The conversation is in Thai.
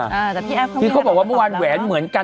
พี่แอ๊บข้าวเอกนี้แบบว่าเมื่อวานแหวนเหมือนกัน